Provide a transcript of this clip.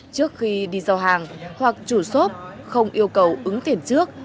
do hàng hoặc chủ shop không yêu cầu ứng tiền trước